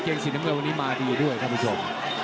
เกียงศีลเมืองี้มาดีด้วยครับทุกคน